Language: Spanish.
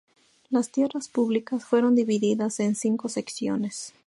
Las tierras públicas fueron divididas en cinco secciones.